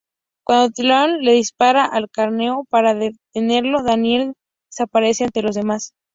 Cuando Teal'c le dispara al cráneo para detenerlo, Daniel desaparece ante los demás.